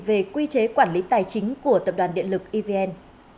về quy chế quản lý tài chính của tập đoàn điện lực evn